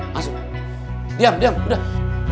masuk diam diam udah